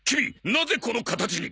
なぜこの形に？